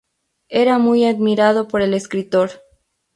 Era muy admirado por el escritor